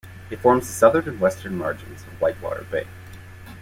It forms the southern and western margins of Whitewater Bay.